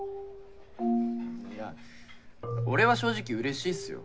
いや俺は正直うれしいっすよ。